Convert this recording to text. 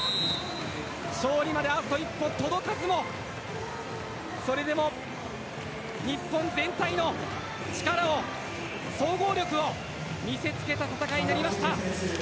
勝利まであと一歩届かずもそれでも日本全体の力を総合力を見せ付けた戦いになりました。